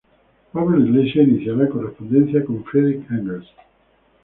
Pablo Iglesias iniciará correspondencia con Friedrich Engels.